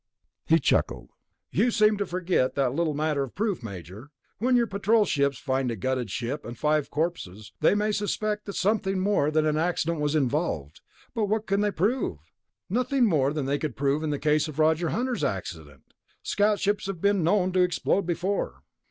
He chuckled. "You seem to forget that little matter of proof, Major. When your Patrol ships find a gutted ship and five corpses, they may suspect that something more than an accident was involved, but what can they prove? Nothing more than they could prove in the case of Roger Hunter's accident. Scout ships have been known to explode before."